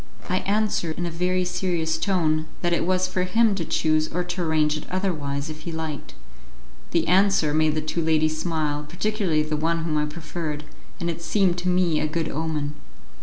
I answered in a very serious tone that it was for him to choose or to arrange it otherwise, if he liked. The answer made the two ladies smile, particularly the one whom I preferred, and it seemed to me a good omen.